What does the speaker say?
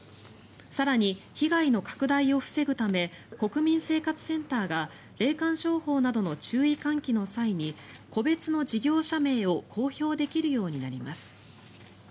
更に、被害の拡大を防ぐため国民生活センターが霊感商法などの注意喚起の際に個別の事業者名を公表できるようになります。